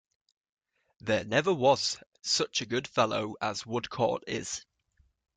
There never was such a good fellow as Woodcourt is.